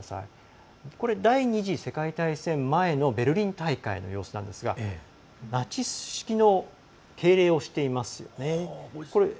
第２次世界大戦前のベルリン大会の様子なんですがナチス式の敬礼をしていますよね。